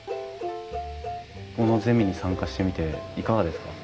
このゼミに参加してみていかがですか？